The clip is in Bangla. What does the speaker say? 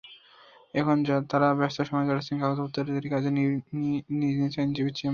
এখন তাঁরা ব্যস্ত সময় কাটাচ্ছেন কাগজপত্র তৈরির কাজে নিজ নিজ আইনজীবীর চেম্বারে।